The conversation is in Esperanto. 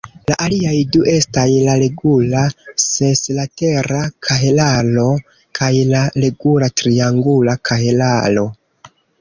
La aliaj du estas la regula seslatera kahelaro kaj la regula triangula kahelaro.